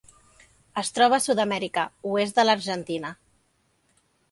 Es troba a Sud-amèrica: oest de l'Argentina.